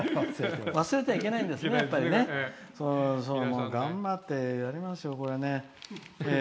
忘れてはいけないんですね。頑張ってやりますよ、これね。